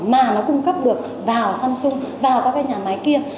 mà nó cung cấp được vào samsung vào các cái nhà máy kia